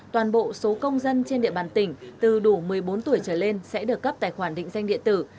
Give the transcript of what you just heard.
toàn bộ số công dân trên địa bàn tỉnh từ đủ một mươi bốn tuổi trở lên sẽ được cấp tài khoản định danh điện tử